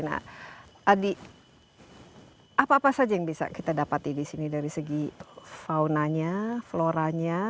nah adi apa apa saja yang bisa kita dapati di sini dari segi faunanya floranya